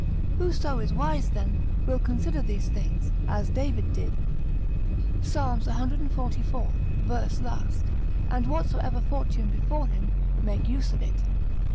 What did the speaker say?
Whoso is wise then, will consider these things, as David did (Psal. cxliv., verse last); and whatsoever fortune befall him, make use of it.